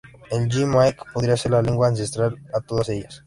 El ye-maek podría ser la lengua ancestral a todas ellas.